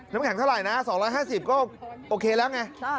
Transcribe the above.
น้ำแข็งเท่าไหร่นะ๒๕๐ก็โอเคแล้วไง